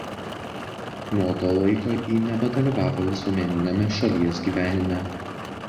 Nuo to laiko ji nebedalyvavo visuomeniniame šalies gyvenime.